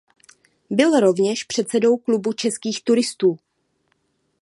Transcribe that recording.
Byl rovněž předsedou Klubu českých turistů.